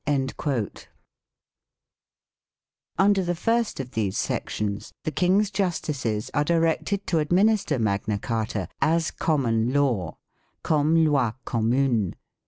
1 Under the first of these sections the King's justices are directed to administer Magna Carta " as common law "(" cume lay commune